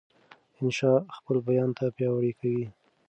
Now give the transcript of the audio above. انشا خپل بیان نه پیاوړی کوي.